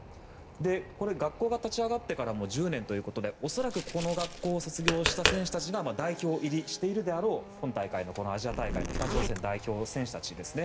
これ、学校が立ち上がってから１０年ということで恐らくこの学校を卒業した選手たちが代表入りしているであろう今大会のアジア大会の北朝鮮の代表の選手たちですね。